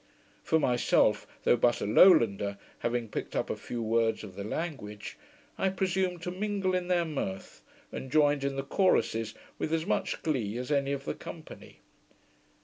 For myself, though but a lowlander, having picked up a few words of the language, I presumed to mingle in their mirth, and joined in the choruses with as much glee as any of the company.